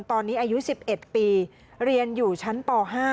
ตอนนี้อายุ๑๑ปีเรียนอยู่ชั้นป๕